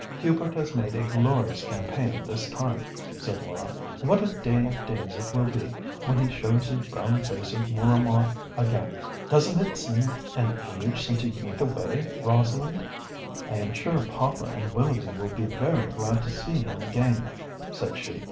"Hubert has made a glorious campaign this time," said Laura. "What a day of days it will be when he shows his brown face at Mooramah again! Doesn't it seem an age since he went away, Rosalind?" "I am sure papa and Willoughby will be very glad to see him again," said she.